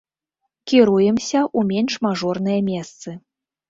Кіруемся ў менш мажорныя месцы.